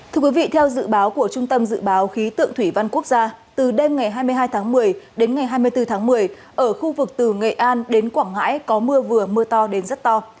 thưa quý vị theo dự báo của trung tâm dự báo khí tượng thủy văn quốc gia từ đêm hai mươi hai một mươi đến hai mươi bốn một mươi ở khu vực từ nghệ an đến quảng hải có mưa vừa mưa to đến rất to